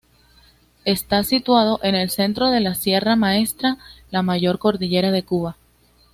Está situado en el centro de la Sierra Maestra, la mayor cordillera de Cuba.